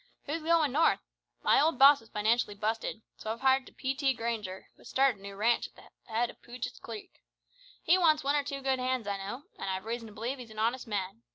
Who's goin' north? My old boss is financially busted, so I've hired to P.T. Granger, who has started a new ranch at the head o' Pugit's Creek. He wants one or two good hands I know, an' I've reason to believe he's an honest man.